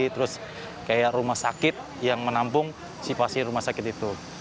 terus kayak rumah sakit yang menampung situasi rumah sakit itu